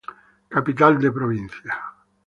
Capital de provincia.